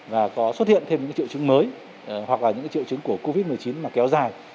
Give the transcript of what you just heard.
và có xuất hiện thêm những triệu chứng mới hoặc là những triệu chứng của covid một mươi chín mà kéo dài